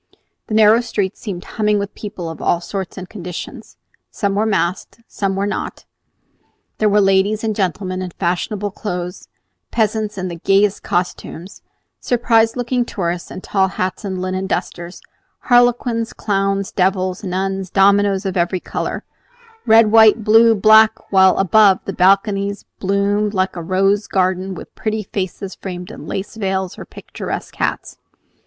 The narrow street seemed humming with people of all sorts and conditions. Some were masked; some were not. There were ladies and gentlemen in fashionable clothes, peasants in the gayest costumes, surprised looking tourists in tall hats and linen dusters, harlequins, clowns, devils, nuns, dominoes of every color, red, white, blue, black; while above, the balconies bloomed like a rose garden with pretty faces framed in lace veils or picturesque hats.